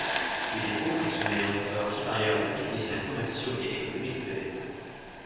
Il est haut fonctionnaire du Corps supérieur des techniciens commerciaux et économistes de l'État.